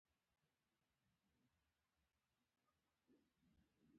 دا چې مسلمان یې مه خپه کیږه.